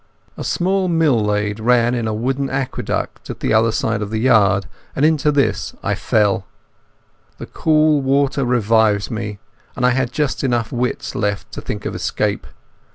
A small mill lade ran in a wooden aqueduct at the other side of the yard, and into this I fell. The cool water revived me, and I had just enough wits left to think of escape.